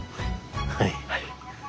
はい。